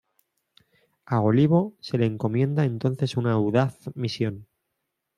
A Olivo se le encomienda entonces una audaz misión.